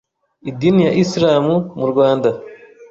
Idini ya Islam mu Rwanda